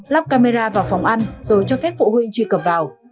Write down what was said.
lắp camera vào phòng ăn rồi cho phép phụ huynh truy cập vào